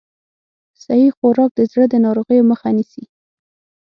صحي خوراک د زړه د ناروغیو مخه نیسي.